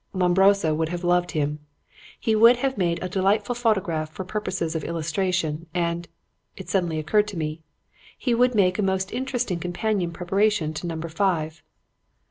Lombroso would have loved him. He would have made a delightful photograph for purposes of illustration, and it suddenly occurred to me he would make a most interesting companion preparation to Number Five.